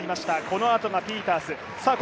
このあとがピータース。